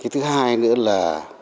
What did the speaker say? thứ hai nữa là